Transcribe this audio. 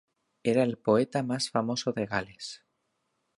Era el poeta más famoso de Gales.